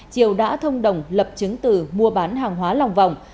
triều đã thông đồng lập chứng từ mua bán hàng hóa lòng vòng